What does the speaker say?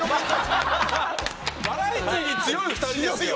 バラエティーに強い２人ですよ。